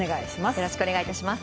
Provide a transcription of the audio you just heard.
よろしくお願いします。